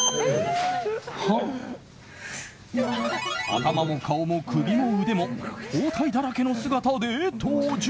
頭も顔も首も腕も包帯だらけの姿で登場。